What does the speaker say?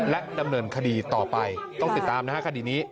และดำเนินคดีต่อไปต้องติดตามนะฮะคดีนี้